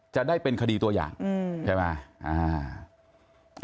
จะได้เป็นคดีตัวอย่างใช่ไหม